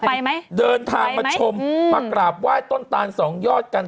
ไปไหมเดินทางมาชมมากราบไหว้ต้นตานสองยอดกัน